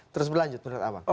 terus berlanjut menurut abang